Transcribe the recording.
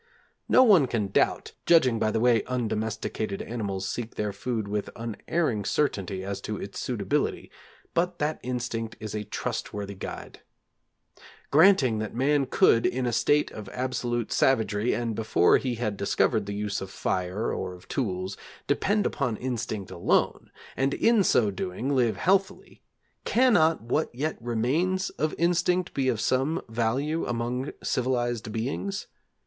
No one can doubt, judging by the way undomesticated animals seek their food with unerring certainty as to its suitability, but that instinct is a trustworthy guide. Granting that man could, in a state of absolute savagery, and before he had discovered the use of fire or of tools, depend upon instinct alone, and in so doing live healthily, cannot what yet remains of instinct be of some value among civilized beings?